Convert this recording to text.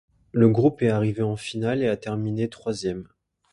Le groupe est arrivé en finale et a terminé troisième.